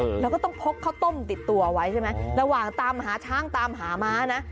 เราก็ต้องพกข้าวต้มติดตัวไว้ใช่ไหมระหว่างตามหาช้างตามหาม้านะ